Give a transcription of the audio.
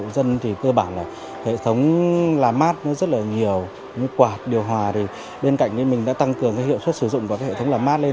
điều hòa thì bên cạnh mình đã tăng cường hiệu suất sử dụng của hệ thống làm mát lên